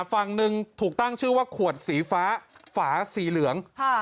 ฝั่งหนึ่งถูกตั้งชื่อว่าขวดสีฟ้าฝาสีเหลือง